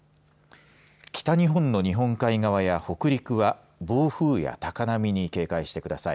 北日本の日本海側や北陸は暴風や高波に警戒してください。